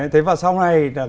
thế và sau này